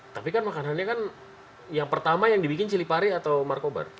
tapi kan makanannya kan yang pertama yang dibikin cili pari atau marco bar